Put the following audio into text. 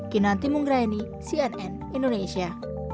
kinanti mungraini cnn indonesia